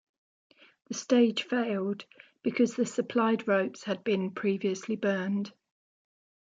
The stage failed because the supplied ropes had been previously burned.